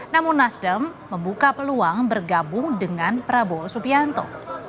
namun nasdem membuka peluang bergabung dengan prabowo subianto